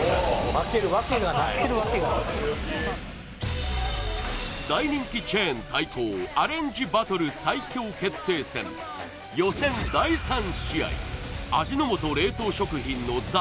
負けるわけがない大人気チェーン対抗アレンジバトル最強決定戦予選第３試合味の素冷凍食品のザ★